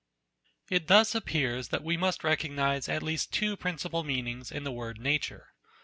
It thus appears that we must recognize at least two principal meanings in the word Nature.